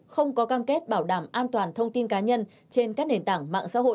không có cam kết bảo đảm an toàn thông tin cá nhân trên các nền tảng mạng xã hội